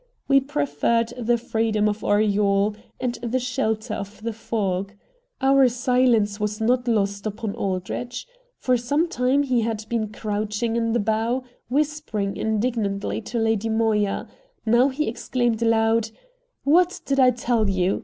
We preferred the freedom of our yawl and the shelter of the fog. Our silence was not lost upon Aldrich. For some time he had been crouching in the bow, whispering indignantly to Lady Moya; now he exclaimed aloud: "What did I tell you?"